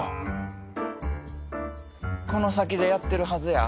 この先でやってるはずや。